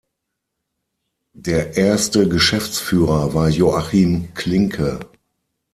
Der erste Geschäftsführer war Joachim Klinke.